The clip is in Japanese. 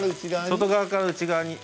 外側から内側に。